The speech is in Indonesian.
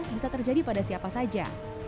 bisa terjadi pada siapa saja